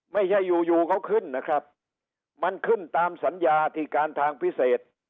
ไม่ใช่อยู่อยู่เขาขึ้นนะครับมันขึ้นตามสัญญาที่การทางพิเศษ